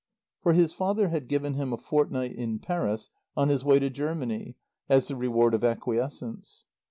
For his father had given him a fortnight in Paris on his way to Germany, as the reward of acquiescence.